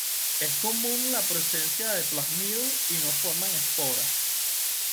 Es común la presencia de plásmidos y no forman esporas.